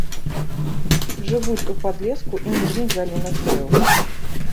Жывуць у падлеску і ніжніх галінах дрэў.